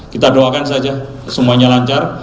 kita doakan saja semuanya lancar